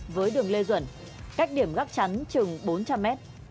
với đường lê duẩn cách điểm gác chắn chừng bốn trăm linh mét